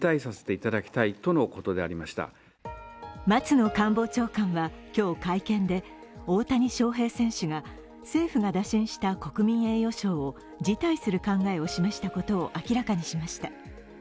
松野官房長官は今日、会見で大谷翔平選手が政府が打診した国民栄誉賞を辞退する考えを示したことを明らかにしました。